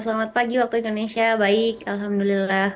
selamat pagi waktu indonesia baik alhamdulillah